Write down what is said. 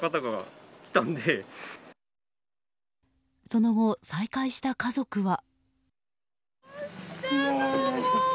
その後、再会した家族は。